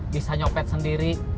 bisa nyopet sendiri